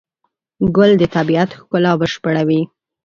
ګل د طبیعت ښکلا بشپړوي.